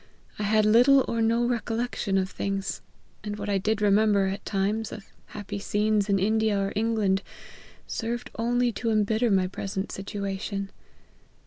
I had little or no recollection of things, and what I did remember, at times, of happy scenes in India or England, served only to embitter my present situation.